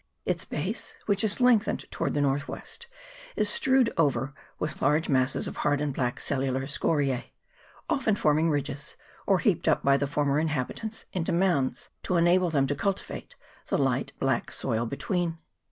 Its base, which is lengthened towards the north west, is strewed over with large masses of hard and black cellular scoriae, often forming ridges, or heaped up by the former inhabitants into mounds, to enable them to cultivate the light black soil between.